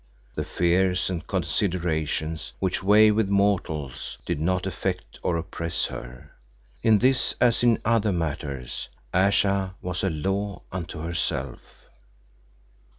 The fears and considerations which weigh with mortals did not affect or oppress her. In this as in other matters, Ayesha was a law unto herself.